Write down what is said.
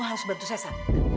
kamu harus bantu saya san